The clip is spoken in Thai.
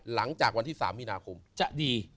หลังจากวันที่๓มีนาคมจะดี